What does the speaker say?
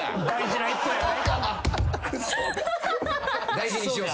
・大事にしよう